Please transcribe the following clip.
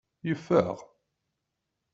Yeffeɣ.